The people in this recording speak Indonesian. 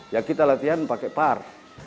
ya kita latihan pakai par